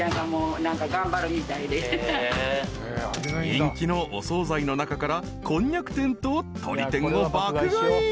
［人気のお総菜の中からこんにゃく天ととり天を爆買い］